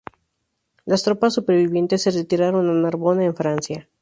Las tropas supervivientes se retiraron a Narbona, en Francia.